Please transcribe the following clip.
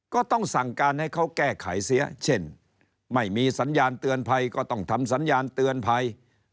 ก็ต้องสั่งการให้เขาแก้ไขเสียเช่นไม่มีสัญญาณเตือนภัยก็ต้องทำสัญญาณเตือนภัย